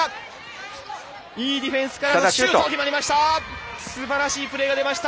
いいディフェンスからのシュート決まりました。